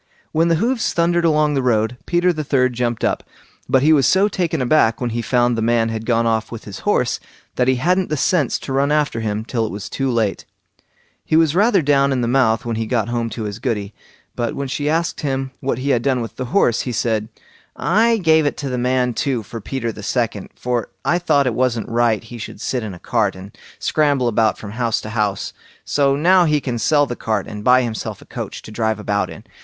When the hoofs thundered along the road, Peter the third jumped up; but he was so taken aback when he found the man had gone off with his horse that he hadn't the sense to run after him till it was too late. He was rather down in the mouth when he got home to his Goody; but when she asked him what he had done with the horse, he said, "I gave it to the man too for Peter the second, for I thought it wasn't right he should sit in a cart, and scramble about from house to house; so now he can sell the cart and buy himself a coach to drive about in."